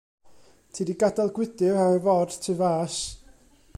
Ti 'di gadel gwydr ar y ford tu fas.